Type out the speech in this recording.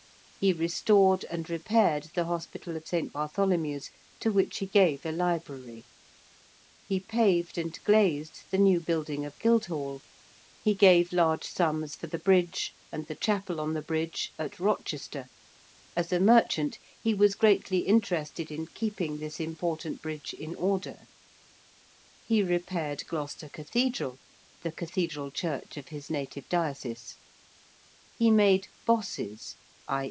He restored and repaired the Hospital of St. Bartholomew's, to which he gave a library. He paved and glazed the new building of Guildhall: he gave large sums for the bridge and the chapel on the bridge at Rochester as a merchant he was greatly interested in keeping this important bridge in order: he repaired Gloucester Cathedral the cathedral church of his native diocese: he made 'bosses,' i.